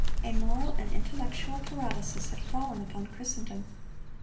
A moral and intellectual paralysis had fallen upon Christendom.